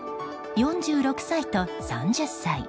４６歳と３０歳。